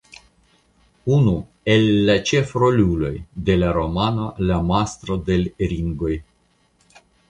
Unu el la ĉefroluloj de la romano "La Mastro de l' Ringoj".